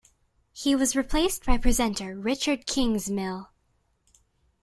He was replaced by presenter Richard Kingsmill.